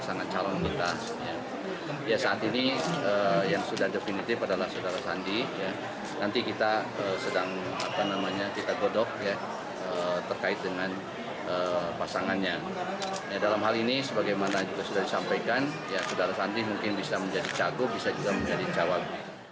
dalam hal ini sebagaimana juga sudah disampaikan ya saudara sandiaga uno mungkin bisa menjadi cakup bisa juga menjadi jawab